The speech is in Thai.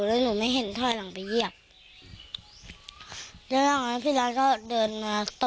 แล้วหนูไม่เห็นถ้อยหลังไปเหยียบแล้วพี่ล้านก็เดินมาตบเลย